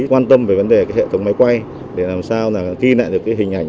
quan tâm về vấn đề hệ thống máy quay để làm sao ghi lại được cái hình ảnh